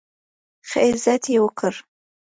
ښه عزت یې وکړ.